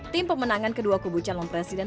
tim pemenangan kedua kubu calon presiden